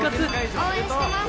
「応援してます！」